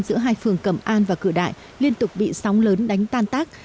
giữa hai phường cẩm an và cửa đại liên tục bị sóng lớn đánh tan tác